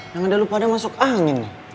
yang ada lu pada masuk angin